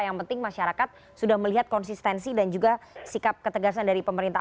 yang penting masyarakat sudah melihat konsistensi dan juga sikap ketegasan dari pemerintah